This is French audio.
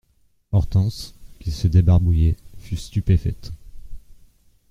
Hortense, qui se débarbouillait, fut stupéfaite.